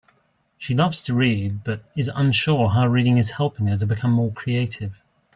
She loves to read, but is unsure how reading is helping her become more creative.